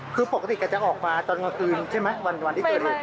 คือปกติแกจะออกมาตอนกลางคืนใช่ไหมวันที่เกิดเหตุ